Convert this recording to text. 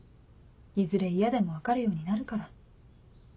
いずれ嫌でも分かるようになるから。